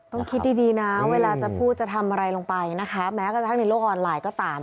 ต้องคิดดีนะเวลาจะพูดจะทำอะไรลงไปนะคะแม้กระทั่งในโลกออนไลน์ก็ตาม